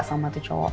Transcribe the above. sama tuh cowok